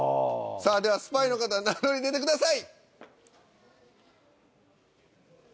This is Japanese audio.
さあではスパイの方名乗り出てください。